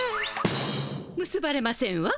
むすばれませんわ。